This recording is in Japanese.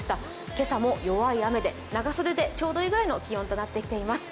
今朝も弱い雨で、長袖でちょうどいいくらいの気温となっています。